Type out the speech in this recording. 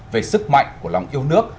về sức mạnh của lòng yêu nước